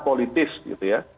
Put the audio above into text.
politis gitu ya